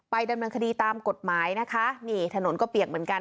ดำเนินคดีตามกฎหมายนะคะนี่ถนนก็เปียกเหมือนกัน